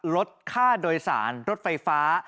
ลดค่าโดยสารรถไฟฟ้า